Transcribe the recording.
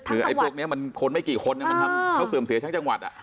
คือไอ้พวกนี้มันคนไม่กี่คนมันทำเขาเสื่อมเสียทั้งจังหวัด